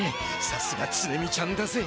さすがツネ美ちゃんだぜ。